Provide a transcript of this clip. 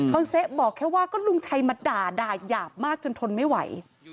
เซ๊บอกแค่ว่าก็ลุงชัยมาด่าด่ายาบมากจนทนไม่ไหว